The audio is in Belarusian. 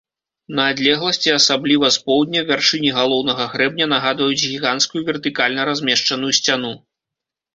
На адлегласці, асабліва з поўдня, вяршыні галоўнага грэбня нагадваюць гіганцкую вертыкальна размешчаную сцяну.